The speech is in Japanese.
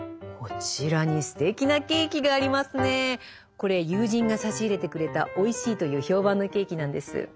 これ友人が差し入れてくれたおいしいという評判のケーキなんです。